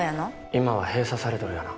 今は閉鎖されとるよな？